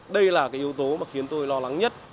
đây là cái yếu tố mà khiến tôi lo lắng nhất